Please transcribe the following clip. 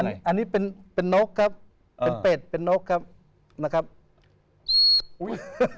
อันนี้เป็นเป็นนกครับเป็นเป็ดเป็นนกครับนะครับอุ้ย